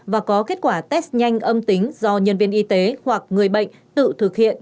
và có kết quả test nhanh âm tính do nhân viên y tế hoặc người bệnh tự thực hiện